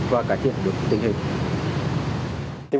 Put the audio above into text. và cải thiện được tình hình